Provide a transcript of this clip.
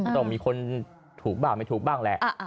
ต้องมีคนถูกบ้างไม่ถูกบ้างแหละ